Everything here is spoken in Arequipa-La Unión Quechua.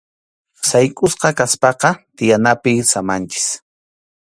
Sayk’usqa kaspaqa tiyanapi samanchik.